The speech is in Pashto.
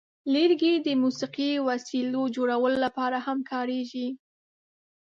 لرګي د موسیقي وسیلو جوړولو لپاره هم کارېږي.